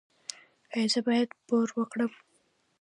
ایا زه باید پور ورکړم؟